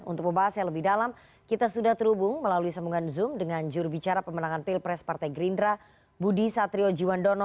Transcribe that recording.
untuk pembahas yang lebih dalam kita sudah terhubung melalui sambungan zoom dengan jurubicara pemenangan pilpres partai gerindra budi satrio jiwandono